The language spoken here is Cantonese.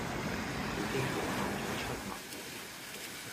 佢幾乎喊咗出嚟